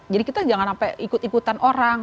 jadi kita jangan sampai ikut ikutan orang